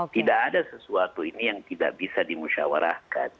tidak ada sesuatu ini yang tidak bisa dimusyawarahkan